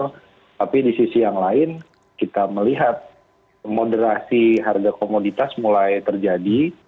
tapi di sisi yang lain kita melihat moderasi harga komoditas mulai terjadi